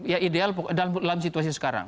ya ideal dalam situasi sekarang